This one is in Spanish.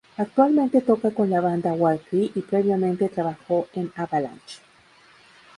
Actualmente toca con la banda WarCry y previamente trabajó en Avalanch.